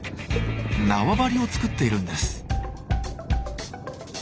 縄張りを作っているんです。